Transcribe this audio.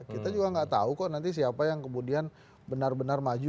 kita juga nggak tahu kok nanti siapa yang kemudian benar benar maju